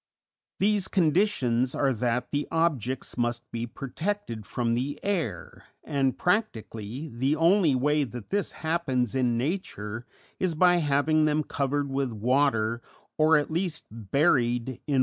These conditions are that the objects must be protected from the air, and, practically, the only way that this happens in nature is by having them covered with water, or at least buried in wet ground.